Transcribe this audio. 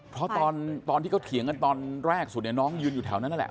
เพราะตอนที่เขาเถียงกันตอนแรกสุดเนี่ยน้องยืนอยู่แถวนั้นนั่นแหละ